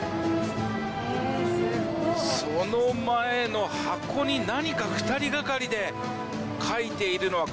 その前の箱に何か２人がかりで書いているのは